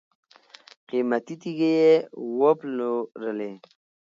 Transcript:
قیمتي تیږي یې وپلورلې.